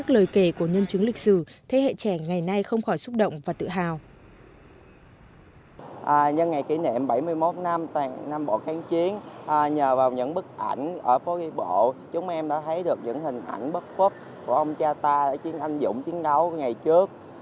của ông cha ta đã chiến tranh dũng chiến đấu ngày trước